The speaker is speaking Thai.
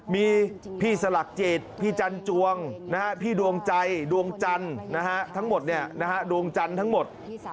มีพี่สลักเจตพี่จันจวงพี่ดวงใจดวงจันทั้งหมด